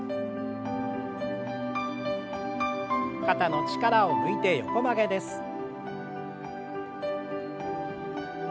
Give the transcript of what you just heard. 肩の力を抜いて横曲げです。